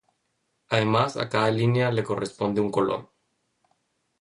Además, a cada línea le corresponde un color.